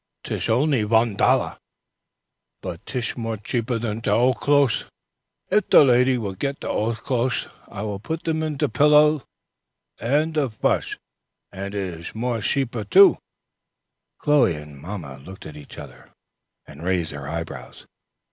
"Tish only von dollars; but tish more cheaper for te old closhes. If te lady will get te old closhes, I will put in te pellows and te prush, and it ish more sheaper, too." Chloe and mamma looked at each other, and raised their eyebrows.